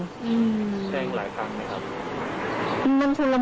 แทงหลายครั้งไหมครับ